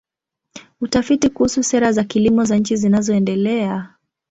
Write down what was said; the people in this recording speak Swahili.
Utafiti kuhusu sera za kilimo za nchi zinazoendelea.